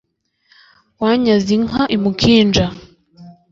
wanyaze inka i mukinja